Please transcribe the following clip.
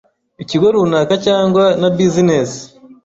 ikigo runaka cyangwa na Business.